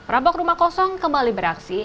rabok rumah kosong kembali beraksi